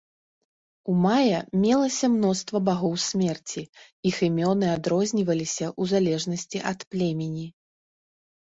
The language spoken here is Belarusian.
У мая мелася мноства багоў смерці, іх імёны адрозніваліся ў залежнасці ад племені.